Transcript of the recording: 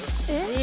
え！